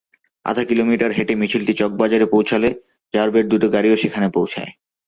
আধা কিলোমিটার হেঁটে মিছিলটি চকবাজারে পৌঁছালে র্যাবের দুটি গাড়িও সেখানে পৌঁছায়।